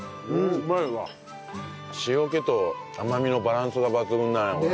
塩気と甘みのバランスが抜群だねこれ。